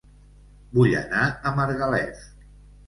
Vull anar a Margalef